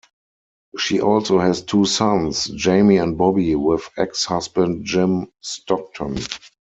She also has two sons, Jamie and Bobby, with ex-husband Jim Stockton.